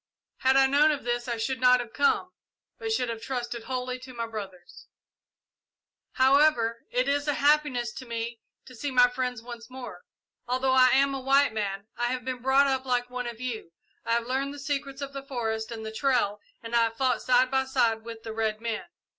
Had I known of this I should not have come, but should have trusted wholly to my brothers. "However, it is a happiness to me to see my friends once more. Although I am a white man, I have been brought up like one of you. I have learned the secrets of the forest and the trail and I have fought side by side with the red men.